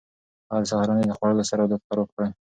هغه د سهارنۍ نه خوړلو سره عادت خراب کړ.